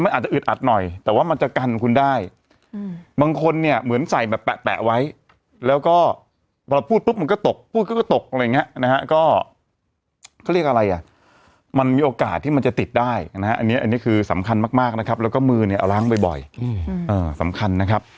พูดก็ก็ตกอะไรอย่างงี้นะฮะก็เขาเรียกอะไรอ่ะมันมีโอกาสที่มันจะติดได้นะฮะอันนี้คือสำคัญมากนะครับแล้วก็มือเนี่ยเอาร้างบ่อยสำคัญนะครับ